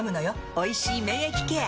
「おいしい免疫ケア」！